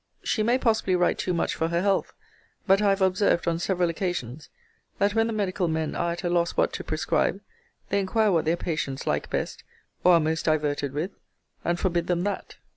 She may possibly write too much for her health: but I have observed, on several occasions, that when the medical men are at a loss what to prescribe, they inquire what their patients like best, or are most diverted with, and forbid them that.